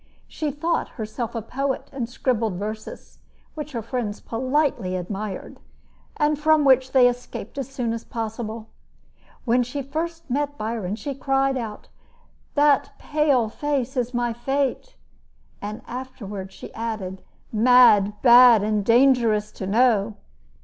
She thought herself a poet, and scribbled verses, which her friends politely admired, and from which they escaped as soon as possible. When she first met Byron, she cried out: "That pale face is my fate!" And she afterward added: "Mad, bad, and dangerous to know!"